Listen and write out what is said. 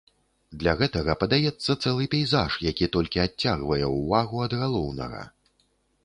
Для гэтага падаецца цэлы пейзаж, які толькі адцягвае ўвагу ад галоўнага.